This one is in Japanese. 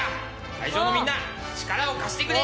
会場のみんな力を貸してくれ！